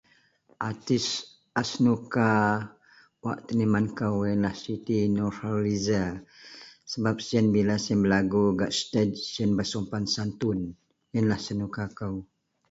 Artis a senuka wak teniman kou ialah Siti Nuhaliza sebab sien bila berlagu gak stage sian bersopan santun yianlah Senuka kou.